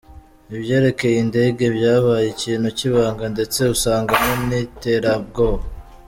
Ibyerekeye indege byabaye ikintu kibanga ndetse usangamo n’iterabwoba.